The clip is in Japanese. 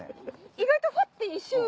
意外とふわって一瞬浮く。